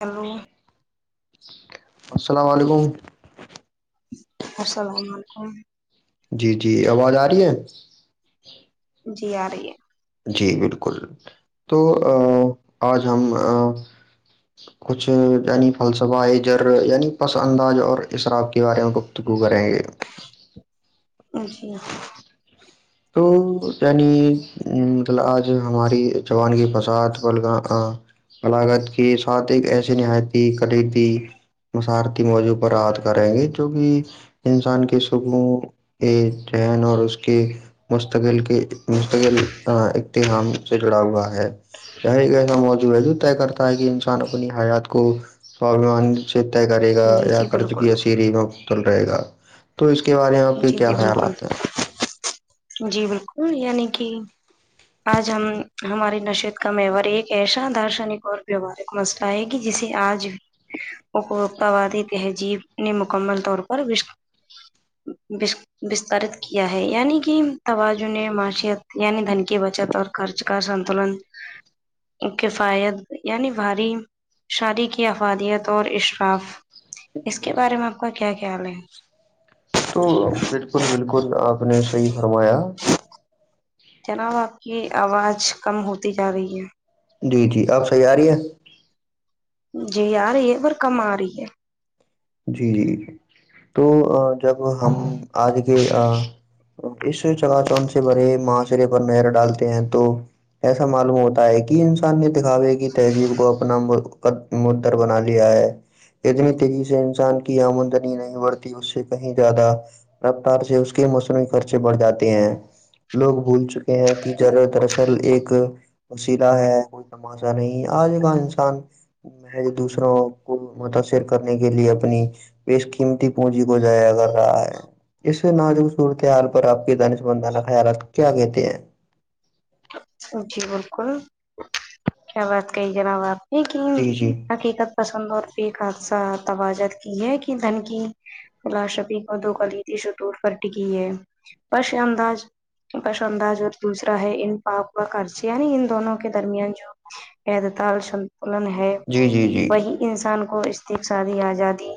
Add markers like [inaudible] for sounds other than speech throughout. hello السلام علیکم السلام علیکم جی جی آواز آ رہی ہے جی آ رہی ہے جی بالکل تو آج ہم کچھ یعنی فلسفہ جر یعنی پس انداز اور اصراب کے بارے میں گفتگو کریں گے جی تو یعنی مطلب آج ہماری جوان کی فساد بلاگت کے ساتھ ایک ایسی نہایتی کی تھی مسارتی موضوع پر یاات کریں گے جوکہ انسان کے صبوں ایک چین اور اس کے مستقل کے مستقل اختحام سے جڑا ہوا ہے ایک ایسا موضوع ہے طے کرتا ہے کہ انسان اپنی حیات کو سابان چتے کرے گا جی یا جی کرض بالکل کی اصری متل رہے گا تو اس کے بارے میں آپ کے جی کیا جی بالکل خیالات ہیں جی بالکل یعنی کہ آج ہم ہماری نشت کا مار ایک ایسا دارشنک اور بھیوارے مسئلہ آئے گی جسے آج [unintelligible] اپبوت وادی تہذیب نے مکمل طور پر وستارت کیا ہے یعنی کہ توجن نے معیشت یعنی دھن کی بچت اور خرچ کا سنتلن [unintelligible] کفایت یعنی بھاری شادی کی افادیت اور اشراف اس جی کے بارے میں آپ کا کیا خیال ہے تو بالکل بالکل آپ نے صحیح فرمایا جناب آپ کی آواز کم ہوتی جا رہی ہے جی جی آپ صحیح آ رہی ہے جی آ رہی ہے پر کم آ رہی ہے جی جی ج تو جب ہم آج کے اس چگا چند سے بھرے ماشرے پر نہر ڈالتے ہیں تو ایسا معلوم ہوتا ہے کہ انسان نے دکھاوے کی تہذیب کو اپنا متر بنا لیا ہے اتنی تیزی سے انسان کی آمدنی نہیں بڑھتی اس سے کہیں زیادہ رفتار سے اس کے موسم خرچے بڑھ جاتے ہیں لوگ بھول چکے ہیں کہرا دراصل ایک وسیلا ہے ماسا نہیں آج کا انسان محض دوسروں کو متاثر کرنے کے لیے اپنی بیش قیمتی پونجی کو ضائع کر رہا ہے اس نازک صورتحال پر آپ کے دانش مندانہ خیالات کیا کہتے ہیں جی بالکل کیا بات کہی جناب آپ نے کہ جی جی حقیقت پسند اور پ حادثہ توجت کی ہے کہ دھن کی فلاشفی کو دو قدتی سےتور پر ٹکی ہے پرشداز بس انداز اور دوسرا ہے ان پاپ خچ یعنی ان دونوں کے درمیان جو پیدتال لن ہے جی جی جی وہی انسان کو استق شادی آزادی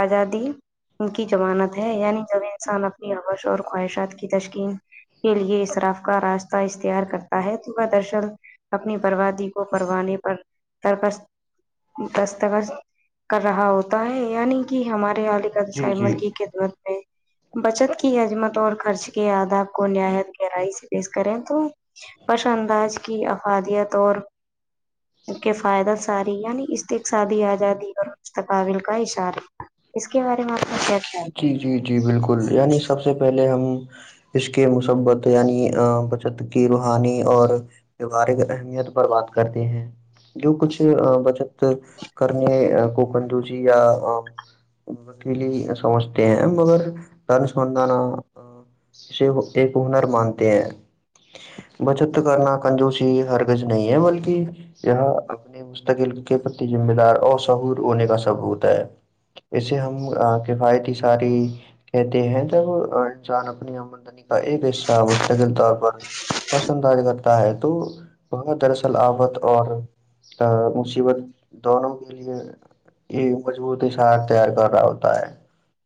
آزادی ان کی مانت ہے یعنی جب انسان اپنی روش اور خواہشات کی تشکین کے لیے اس طرف کا راستہ تار کرتا ہے تو وہ درصل اپنی بربادی کو پروانے پر سر پر دستخط کر رہا ہوتا ہے یعنی کہ ہمارے وال جی سائی جی من کی خدمت میں بچت کی عجمت اور خرچ کے آداب کو نہایت گہرائی سے پیش کریں تو پش انداز کی افادیت اور کے فائدہ ساری یعنی است ایک سادی آزادی اور مستقابل کا اشارہ اس کے بارے میں آپنا جی جی جی بالکل یعنی سب سے پہلے ہم اس کے مثبت یعنی بچت کی روحانی اور ووہارک اہمیت پر بات کرتے ہیں جو کچھ بچت کرنی کوکنندو جی یا لی سمجھتے ہیں مگر دانشمندانہ سے ایک ہنر مانتے ہیں بچت کرنا کنجوسی ہر کز نہیں ہے بلکہ یہاں اپنے مستقل کے پرتی ذمہ دار اشہور ہونے کا سب ہوتا ہے اسے ہم کفایتی ساری کہتے ہیں جب انسان اپنی آمدنی ایک حصہ مستقل طور پر پسند کرتا ہے تو بہت دراصل آفت اور مصیبت دونوں کے لیے یہ مضبوط اشہار تیار کر رہا ہوتا ہے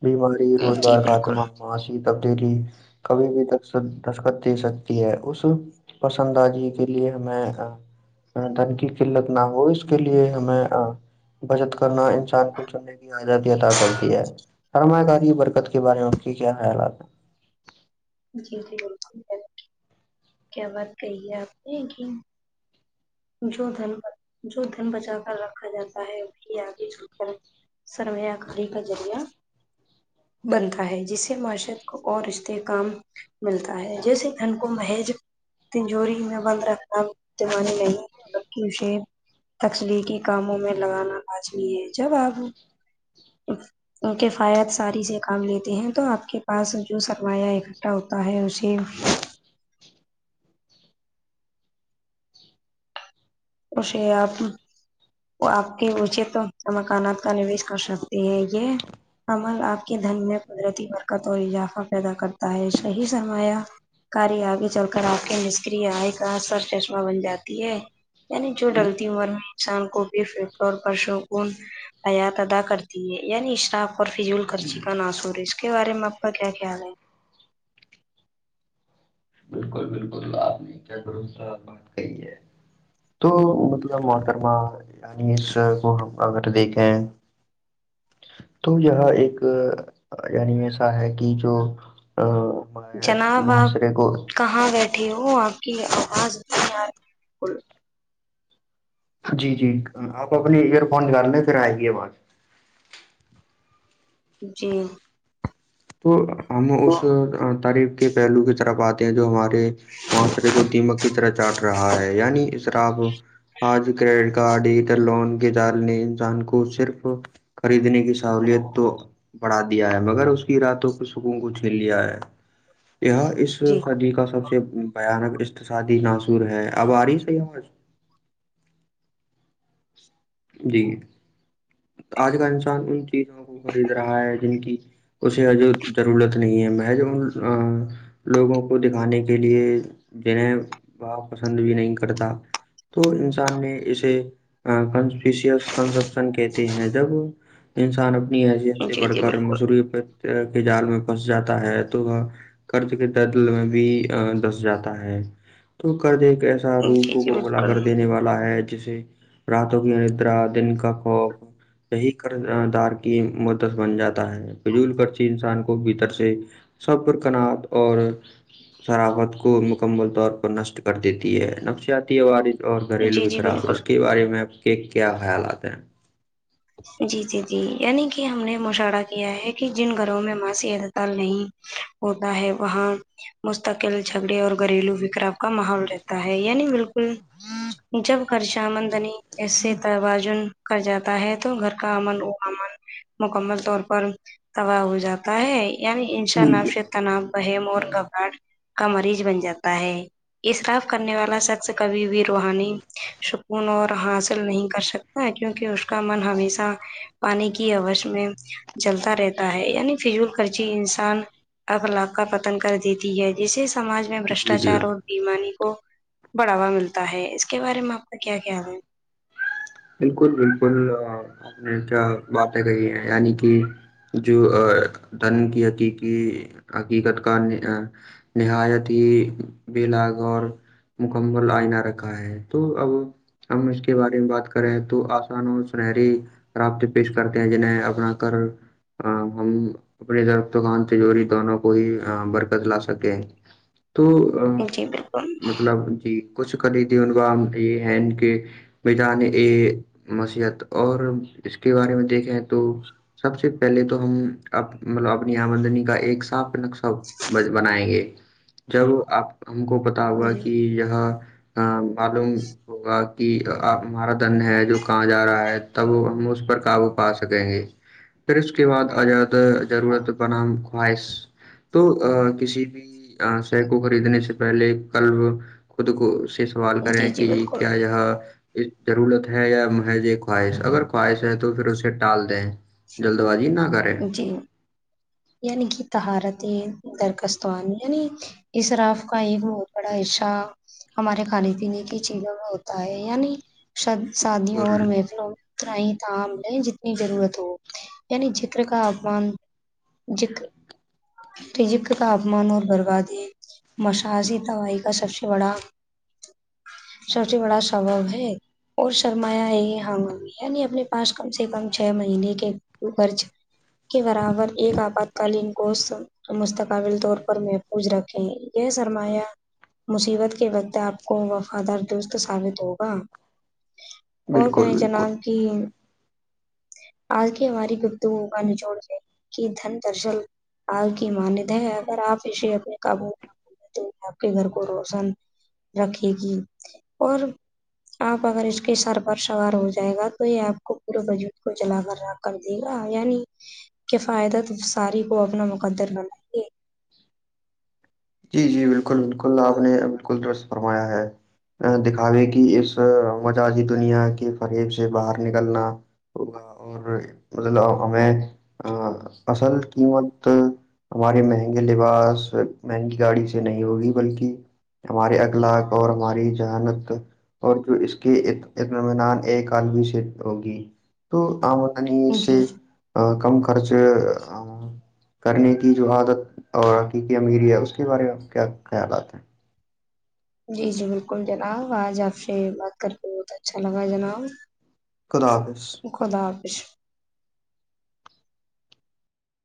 بیماری روزگار ختمہ ماسی تبدیلی کبھی بھی دک دستخت دے سکتی ہے اس پسند ا جی کے لیے میں دن کی قلت نہ ہو اس کے لیے ہمیں بچت کرنا انسان کو چڑنے کی آزادی ادا کرتی ہے فرما کاری برکت کے بارے میں آپ کے کیا خیالات ہیں جی جی بالکل کیا بات کہی ہے آپ نے کہ جو دن جو دن بچا کر رکھا جاتا ہے وہ بھی آگے چل کر سر میںیا گری کا جریہ بنتا ہے جس سے معاشرت کو اور رشت کاام ملتا ہے جیسے دن کو محیج تنجوری میں بند رکھنا چے نہیں کی شیر تکلیقی کاموں میں لگانا لاازمی ہے جب آپ اچ کےفات ساری سے کام لیتے ہیں تو آپ کے پاس جو سرمایہ اکٹھا ہوتا ہے اسے تو شے آپ وہ آپ کے اچے تو مکانات کا نویش کر سکتی ہے یہ عمل آپ کے دھن میں قدرتی برکت اور اضافہ پیدا کرتا ہے صحیح سرمایہ کاری آگے چل کر آپ کے نشکری آئے کاثر چشمہ بن جاتی ہے یعنی جو ڈلتی ہوا نا انسان کو ف اور پرسکون حیات ادا کرتی ہے یعنی اشراف اور فضول خرچی کا ناسور ہے اس کے بارے میں آپ کا کیا خیال ہے بالکل بالکل آپ نہیں کیا بھروسہ بات کہی ہے تو مطلب مٹر یعنی اس کو ہم اگر دیکھیں تو یہ ایک یعنی ایسا ہے کہ جو ا جناب آپ معاشرے کو کہاں بیٹھی ہوں آپ کی آواز اتنی جی جی آپ اپنے ایئر فون نکال لیں پھر آئیے بعات جی تو ہم اس تریف کے پہلو کی طرف آتے ہیں جو ہمارے معاشرے کو دیمک کی طرح چاٹ رہا ہے یعنی اسراب آج کریڈٹ کارڈٹر لون جال نے انسان کو صرف خریدنے کی سہولت تو بڑا دیا ہے مگر اس راتوں کے سکھوں کو چھیل لیا ہے یہ اس جی سدی کا سب سے بھیانک اقتصادی ناصور ہے اب آ رہی صی جی آج کا انسان ان چیزوں کو خرید رہا ہے جن کی اسے اج ضورت نہیں ہے میں جو لوگوں کو دکھانے کے لیے جنہیں وہ پسند بھی نہیں کرتا تو انسان نے اسے ک کنپشن کہتے ہیں جب انسان اپنی حیثیت سے جی بڑھ جی کر بالکل مصروعی پر کے جال میں پس جاتا ہے تو کرض کے دردل میں بھی دس جاتا ہے تو کرض ایک ایسا روک جی جی کو بلا بالکل کر دینے والا ہے جسے راتوں کی ان دن کا خوف یہی کردار کی مدس بن جاتی ہے پجول کرچی انسان کو بھیتر سے سبر کناات اور سرافت کو مکمل طور پر نشٹ کر دیتی ہے نفسیاتی عوار اور گھریلو جی بھی جی خراب ہے بالکل اس کے بارے میں آپ کے کیا خیالات ہیں جی جی جی یعنی کہ ہم نے مشااہورہ کیا ہے کہ جن گھروں میں ماسیی اتتال نہیں ہوتا ہے وہاں مستقل جھگڑے اور گھریلو وکرا کا ماحول رہتا ہے یعنی بالکل جب خشمدنی ایے توازن کر جاتا ہے تو تو گھر کا امن و امل مکمل طور پر تباہ ہو جاتا ہے یعنی بالکل انساانف تنا بہم اور گھبراہٹ کا مریض بن جاتا ہے اصراف کرنے والا شخص کبھی بھی روحانی سکون اور حاصل نہیں کر سکتا کیونکہ اس کا من ہمیشہ پانی کی اوش میں جلتا رہتا ہے یعنی فضول خرچی انسان اخلاب کا پتن کر دیتی ہے جسے ساج میں جی جی بشٹاچار اور بیمانی کو بڑھاوا ملتا ہے اس کے بارے میں آپ کا کیا خیال ہے بالکل بالکل آپ نے کیا باتیں کہی ہیں یعنی کہ جو دن کی حقیقی حقیقت کا نہایت ہی بلاگور مکمل آئینہ رکھا ہے تو اب ہم اس کے بارے میں بات کر کر ہے تو آسا سنری رابط پیش کرتے ہیں جنیں اپنا گھر ہم اپنے درخ دکان سے جوڑی دونوں کو ہی برکت لا سکیں تو ا ہے جی بالکل مطلب جی کچھ خریدی ان کاام یہ ہیں کہ جان یہ مسیحت اور اس کے بارے میں دیکھیں تو سب سے پہلے تو ہم مطلب اپنی آمدنی کا ایک ساف نقشب بنائیں گے ضرور آپ ہم کو ہوگا جی کہ یہ معلوم ہوگا کہ مارت دن ہے جو کہاں جا رہا ہے تب ہم اس پر کاابو پا سکیں گے پھر اس کے بعد آد ضرورت بن خواہش تو کسی بھی س کو خریدنے سے پہلے کلب خود کو سے سوال جی کریں جی کہ بالکل کیا یہ اس ضرورت ہے یا مح یہ خواہش اگر خواہش ہے تو پھر اسے ال دیں جلد بازی نہ کرے یعنی کہ تہارتیں درخستوانی یعنی اس راف کا ایک بہت بڑا حصہ ہمارے کھانے پینے کی چیزوں میں ہوتا ہے ی نہیں شادیوں بالکل اور محفلوں میں اترائی تم ل جتنی ضرورت ہو یعنی رکاو مان تج تاپمان اور بربادیں مشاازی دوائی کا سب سے بڑا [inaudible] سب سے بڑا سبب ہے اور سرمایا ہے ہاں یعنی اپنے پاس کم سے کم چھ مہینے کے خرچ کے برابر ایک آپاتکالین کوش تو مستقبل طور پر محفوظ رکھیں یہ سرمایہ مصیبت کے وقت آپ کو وفادار درست ثابت ہوگا اور بالکل میں بالکل جنا کہ آج کی ہماری بھو جوڑ کہ دھن درصل کی ماند ہے اگر آپ اسے اپنے کاابو آپ کے گھر کو روشن رکھے گی اور آپ اگر اس کے سر پر سوار ہو جائے گا تو یہ آپ کو پورے بجٹ کو جلا کر رکھ کر دے گا یعنی کہ فائدہ ت ساری کو اپنا مقدر بنا جی جی بالکل بالکل آپ نے بالکل درست فرمایا ہے دکھاوے کہ اس مججی دنیا کے فریب سے باہر نکلنا ہوگا اور مطلب ہمیں اصل قیمت [inaudible] ہمارے مہنگے لباس مہنگی گاڑی سے نہیں ہوگی بلکہ ہمارے اخلاق اور ہماری جانت اور جو اس کی اطمینان ایک عالوی سے ہوگی تو ہمد نہیںسے جی [inaudible] کم خرچ کرنے کی جو عادت اور حقیقی ا میریا [inaudible] اس کے بارے میں آپ کیا خیالات ہیں جی جی بالکل جناب آج آپ سے بات کر کے بہت اچھا لگا جناب خدافظ خدا حافظ